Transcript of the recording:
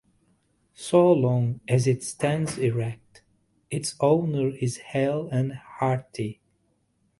So long as it stands erect, its owner is hale and hearty.